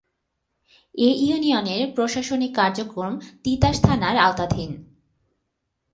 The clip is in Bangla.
এ ইউনিয়নের প্রশাসনিক কার্যক্রম তিতাস থানার আওতাধীন।